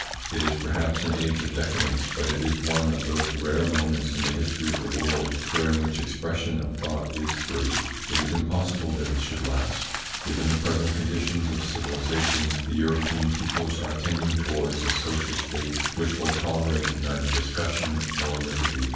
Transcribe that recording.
It is perhaps an age of decadence, but it is one of those rare moments in the history of the world during which expression of thought is free. It is impossible that ITS INFLUENCE ON THEIR EVOLUTION 185 it should last. Given the present conditions of civili sation, the European peoples are tending towards a social state which will tolerate neither discussion nor liberty.